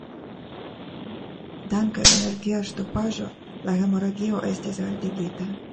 Dank' al energia ŝtopaĵo la hemoragio estis haltigita.